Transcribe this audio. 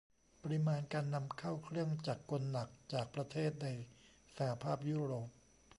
ปริมาณการนำเข้าเครื่องจักรกลหนักจากประเทศในสหภาพยุโรป